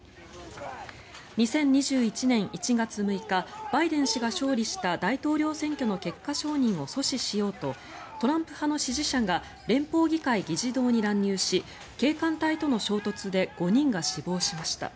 ２０２１年１月６日バイデン氏が勝利した大統領選挙の結果承認を阻止しようとトランプ派の支持者が連邦議会議事堂に乱入し警官隊との衝突で５人が死亡しました。